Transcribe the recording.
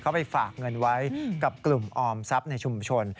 เขาไปฝากเงินไว้กับกลุ่มออมทรัพย์ในชุมชน